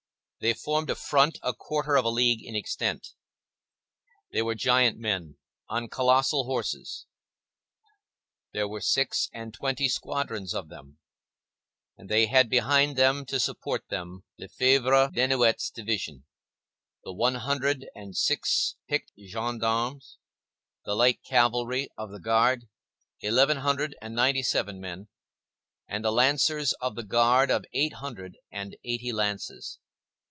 They formed a front a quarter of a league in extent. They were giant men, on colossal horses. There were six and twenty squadrons of them; and they had behind them to support them Lefebvre Desnouettes's division,—the one hundred and six picked gendarmes, the light cavalry of the Guard, eleven hundred and ninety seven men, and the lancers of the guard of eight hundred and eighty lances.